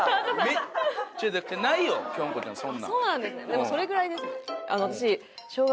でもそれぐらいですね。